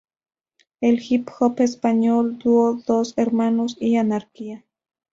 El hip hop español dúo Dos Hermanos, y "Anarquía".